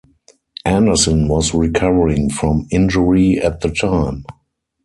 Anderson was recovering from injury at the time.